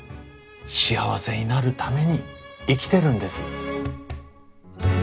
幸せになるために生きてるんです。